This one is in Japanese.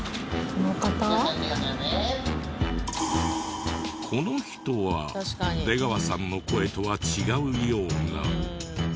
この人は出川さんの声とは違うような。